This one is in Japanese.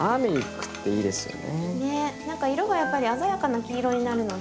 何か色がやっぱり鮮やかな黄色になるので。